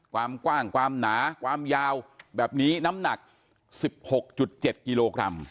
ความกว้างความหนาความยาวแบบนี้น้ำหนักสิบหกจุดเจ็ดกิโลกรัม